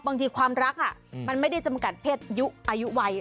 บางทีความรักมันไม่ได้จำกัดเพศยุอายุวัย